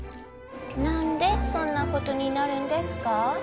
何でそんなことになるんですか？